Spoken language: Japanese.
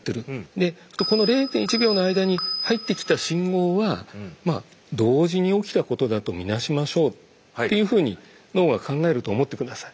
でこの０．１秒の間に入ってきた信号はまあ同時に起きたことだとみなしましょうっていうふうに脳が考えると思って下さい。